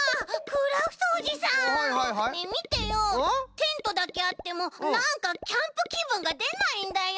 テントだけあってもなんかキャンプきぶんがでないんだよ！